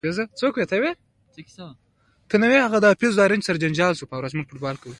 مجلس ختم شو او ټلفونونه یې راکړل.